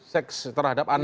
seks terhadap anak